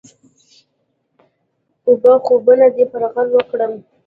اوپه خوبونو دې یرغل وکړم؟